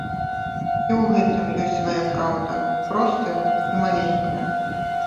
І ў гэтым ёсць свая праўда, простая і маленькая.